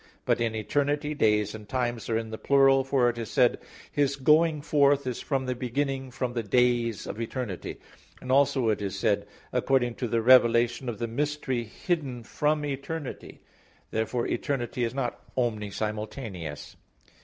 But in eternity, days and times are in the plural, for it is said, "His going forth is from the beginning, from the days of eternity" (Micah 5:2); and also it is said, "According to the revelation of the mystery hidden from eternity" (Rom. 16:25). Therefore eternity is not omni simultaneous.